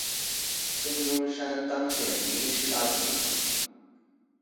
孫中山當選臨時大總統